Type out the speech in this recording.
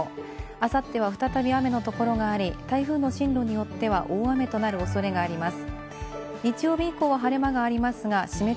あさっては再び雨のところがあり、台風の進路によっては大雨となる恐れがあります。